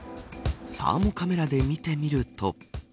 サーモカメラで見てみると。